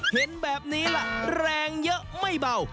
เห็นแบบนี้ล่ะแรงเยอะไม่เบา